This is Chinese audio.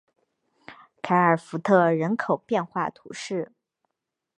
凯尔福特人口变化图示